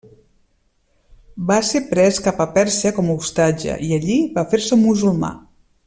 Va ser pres cap a Pèrsia com a ostatge i allí va fer-se musulmà.